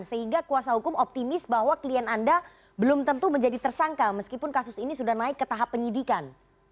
sehingga kuasa hukum optimis bahwa klien anda belum tentu menjadi tersangka meskipun kasus ini sudah naik ke tahap penyidikan